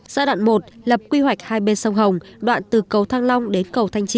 giai đoạn một lập quy hoạch hai bên sông hồng đoạn từ cầu thăng long đến cầu thanh trì